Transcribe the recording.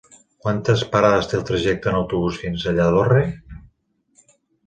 Quantes parades té el trajecte en autobús fins a Lladorre?